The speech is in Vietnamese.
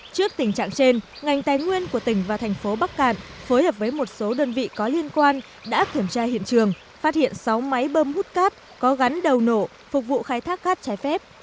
trước tình trạng trên ngành tài nguyên của tỉnh và thành phố bắc cạn phối hợp với một số đơn vị có liên quan đã kiểm tra hiện trường phát hiện sáu máy bơm hút cát có gắn đầu nổ phục vụ khai thác cát trái phép